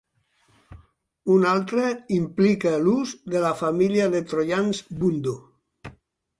Un altre implica l'ús de la família de troians Vundo.